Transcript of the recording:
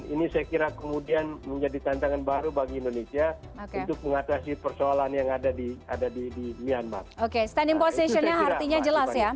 ini saya kira kemudian menjadi tantangan baru bagi indonesia untuk mengatasi persoalan yang ada di myanmar